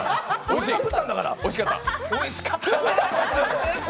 おいしかった？